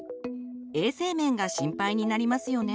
衛生面が心配になりますよね。